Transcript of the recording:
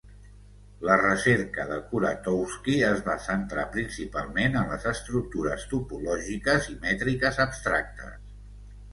La recerca de Kuratowski es va centrar principalment en les estructures topològiques i mètriques abstractes.